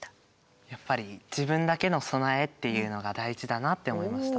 やっぱり自分だけの備えっていうのが大事だなって思いました。